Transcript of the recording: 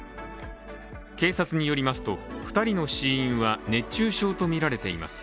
警察によりますと２人の死因は熱中症とみられています。